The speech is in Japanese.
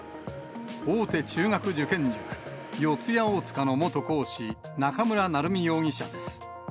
大手中学受験塾、四谷大塚の元講師、中村成美容疑者です。